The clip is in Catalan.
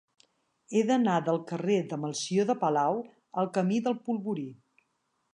He d'anar del carrer de Melcior de Palau al camí del Polvorí.